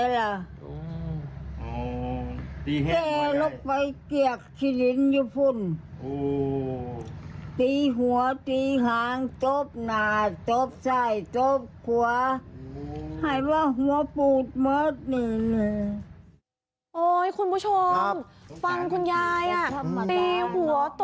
นี่คือแม่เจอลูกทำแบบนี้แล้วแม่ยื้อ๘๒แล้ว